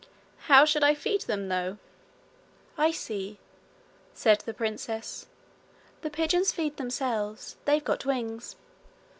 'How should I feed them, though?' 'I see,' said the princess. 'The pigeons feed themselves. They've got wings.'